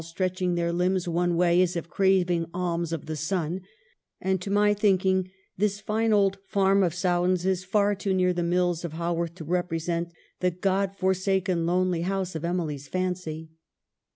stretching their limbs one way as if craving alms of the sun," and, to my thinking, this fine old farm of Sowdens is far too near the mills of Haworth to represent the God forsaken, lonely house of Emily's fancy.